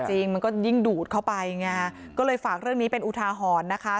จริงมันก็ยิ่งดูดเข้าไปไงก็เลยฝากเรื่องนี้เป็นอุทาหรณ์นะคะ